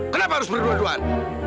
kenapa harus berdua duaan